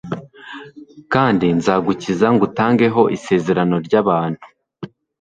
Kandi nzagukiza ngutangeho isezerano ry'abantu,